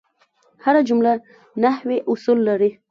هره جمله نحوي اصول لري.